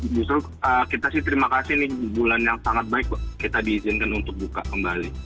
justru kita sih terima kasih nih bulan yang sangat baik kita diizinkan untuk buka kembali